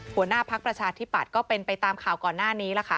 หัวหน้าพักประชาธิปัตย์ก็เป็นไปตามข่าวก่อนหน้านี้ล่ะค่ะ